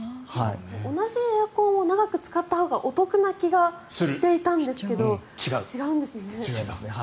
同じエアコンを長く使ったほうがお得な気がしていたんですけど違うんですね。